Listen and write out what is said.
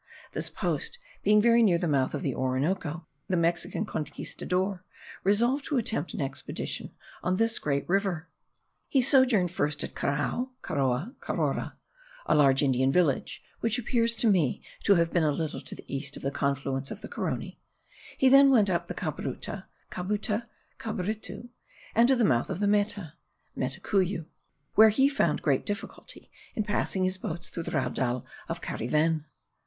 This post being very near the mouth of the Orinoco, the Mexican Conquistador resolved to attempt an expedition on this great river. He sojourned first at Carao (Caroa, Carora), a large Indian village, which appears to me to have been a little to the east of the confluence of the Carony; he then went up the Cabruta (Cabuta, Cabritu), and to the mouth of the Meta (Metacuyu), where he found great difficulty in passing his boats through the Raudal of Cariven.